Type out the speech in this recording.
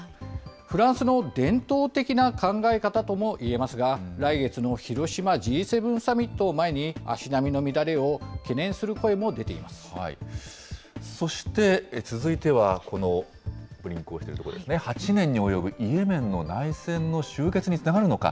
フランスの伝統的な考え方ともいえますが、来月の広島Ｇ７サミットを前に、足並みの乱れを懸念する声も出てそして続いては、このしているところですね、８年に及ぶイエメンの内戦の終結につながるのか。